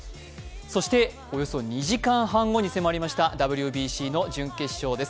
そしておよそ２時間半後に迫りましたＷＢＣの準決勝です。